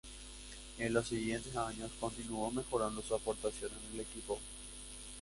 En los siguientes años continuó mejorando su aportación en el equipo.